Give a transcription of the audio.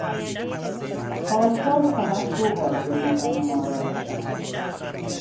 پارسال فقط دوبار به دیدن مادرش رفت.